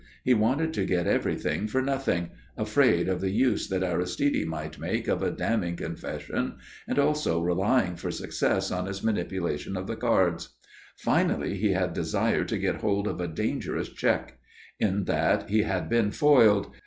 He wanted to get everything for nothing, afraid of the use that Aristide might make of a damning confession, and also relying for success on his manipulation of the cards. Finally he had desired to get hold of a dangerous cheque. In that he had been foiled.